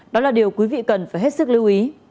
đó là điều quý vị cần phải hết sức lưu ý